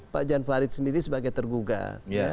pak jan farid sendiri sebagai tergugat